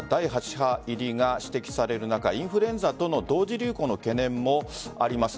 波入りが指摘される中インフルエンザとの同時流行の懸念もあります。